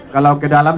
kalau ke dalam